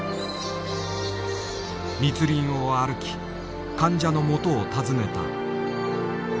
密林を歩き患者のもとを訪ねた。